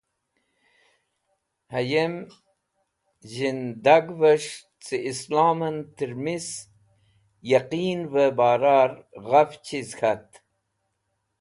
Hayem zhidagvẽs̃h ce islomẽn tẽrmisẽ yeqinvẽ barar ghafch chiz k̃hat.